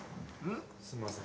すみません。